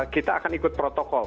kita akan ikut protokol